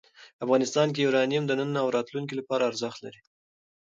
افغانستان کې یورانیم د نن او راتلونکي لپاره ارزښت لري.